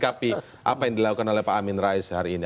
apa yang dilakukan oleh pak amin rais hari ini